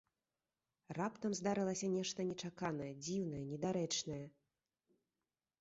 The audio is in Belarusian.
Раптам здарылася нешта нечаканае, дзіўнае, недарэчнае!